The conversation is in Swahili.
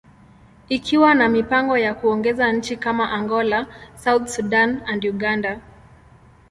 ikiwa na mipango ya kuongeza nchi kama Angola, South Sudan, and Uganda.